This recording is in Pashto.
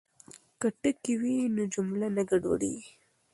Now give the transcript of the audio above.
که ټکي وي نو جمله نه ګډوډیږي.